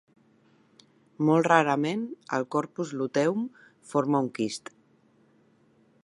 Molt rarament, el corpus luteum forma un quist.